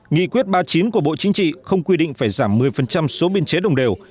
nghị quyết ba mươi chín của bộ chính trị không quy định phải giảm một mươi số biên chế đồng đều